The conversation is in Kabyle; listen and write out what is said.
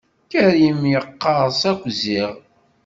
Karim yeqqers akk ziɣ.